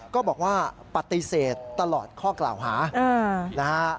ก็บอกว่าปฏิเสธตลอดข้อกล่าวหานะฮะ